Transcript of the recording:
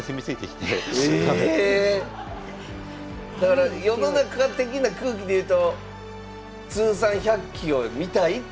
だから世の中的な空気で言うと通算１００期を見たいっていう。